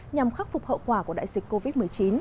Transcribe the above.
nhằm khắc phục hậu quả của đại dịch covid một mươi chín